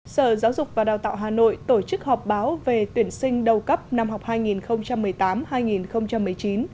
sở giáo dục và đào tạo hà nội tổ chức họp báo về tuyển sinh đầu cấp năm học hai nghìn một mươi tám hai nghìn một mươi chín